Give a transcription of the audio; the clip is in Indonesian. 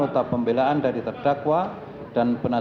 tidak ada ya